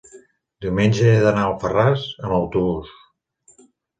diumenge he d'anar a Alfarràs amb autobús.